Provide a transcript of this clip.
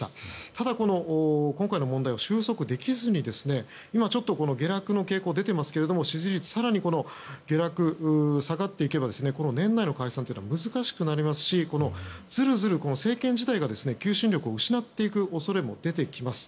ただ、今回の問題を収束できずに今ちょっと、下落の傾向が出ていますけれども支持率が更に下がっていけば年内の解散は難しくなりますしずるずると政権自体が求心力を失っていく恐れも出てきます。